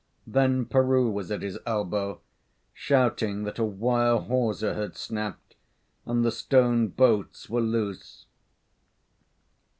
Then Peroo was at his elbow, shouting that a wire hawser had snapped and the stone boats were loose.